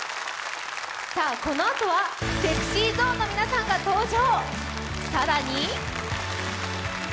このあとはＳｅｘｙＺｏｎｅの皆さんが登場。